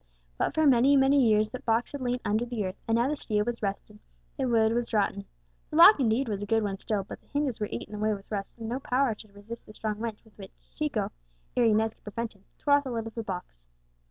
But for many, many years that box had lain under the earth, and now the steel was rusted, the wood was rotten. The lock, indeed, was a good one still, but the hinges were eaten away with rust, and had no power to resist the strong wrench with which Chico, ere Inez could prevent him, tore off the lid of the box.